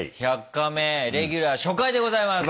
「１００カメ」レギュラー初回でございます！